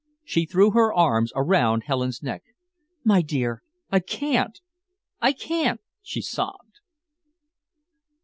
She threw her arms around Helen's neck. "My dear, I can't! I can't!" she sobbed.